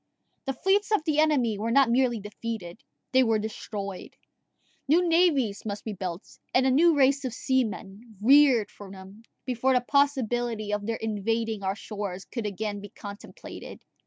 The fleets of the enemy were not merely defeated they were destroyed: new navies must be built, and a new race of seamen reared for them, before the possibility of their invading our shores could again be contemplated.